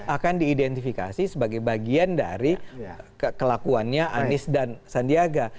akan diidentifikasi sebagai bagian dari kelakuannya anies dan sandiaga